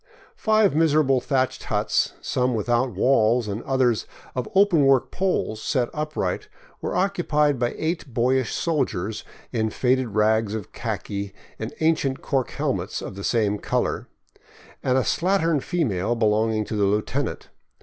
Five miserable thatched huts, some without walls and the others of open work poles set upright, were occupied by eight boyish soldiers in faded rags of khaki and ancient cork helmets of the same color, and a slattern female belonging to the lieutenant.